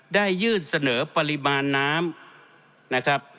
ได้ยื่นเสนอปริมาณน้ำ